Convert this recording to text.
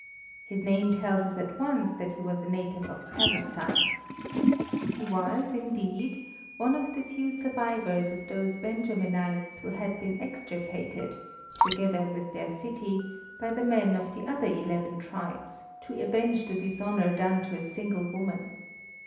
His name tells us at once that he was a native of Palestine. He was, indeed, one of the few survivors of those Benjaminites who had been extirpated, together with their city, by the men of the other eleven tribes, to avenge the dishonour done to a single woman.